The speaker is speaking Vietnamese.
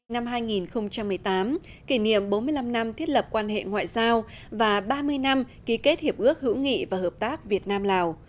năm hai nghìn một mươi tám kỷ niệm bốn mươi năm năm thiết lập quan hệ ngoại giao và ba mươi năm ký kết hiệp ước hữu nghị và hợp tác việt nam lào